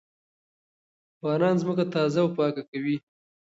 باران ځمکه تازه او پاکه کوي.